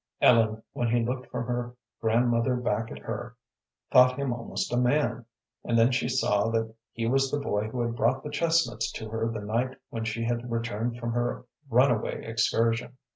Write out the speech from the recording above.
Ellen, when he looked from her grandmother back at her, thought him almost a man, and then she saw that he was the boy who had brought the chestnuts to her the night when she had returned from her runaway excursion.